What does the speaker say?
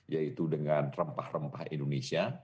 yaitu dengan rempah rempah indonesia